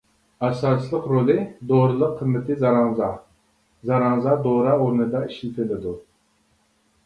ئاساسلىق رولى دورىلىق قىممىتى زاراڭزا زاراڭزا دورا ئورنىدا ئىشلىتىلىدۇ.